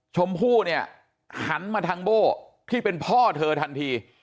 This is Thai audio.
ชมพู่เนี่ยหันมาทางโบ้ที่เป็นพ่อเธอทันที